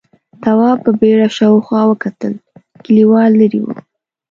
تواب په بيړه شاوخوا وکتل، کليوال ليرې و: